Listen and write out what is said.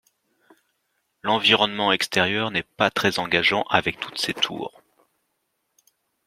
L'environnement extérieur n'est pas très engageant avec toutes ces tours.